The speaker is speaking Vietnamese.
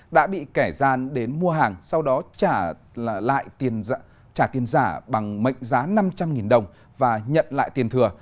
đã bị kẻ gian đến mua hàng sau đó trả tiền giả bằng mệnh giá năm trăm linh đồng và nhận lại tiền thừa